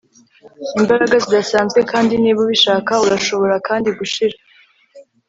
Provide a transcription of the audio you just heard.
imbaraga zidasanzwe kandi niba ubishaka urashobora kandi gushira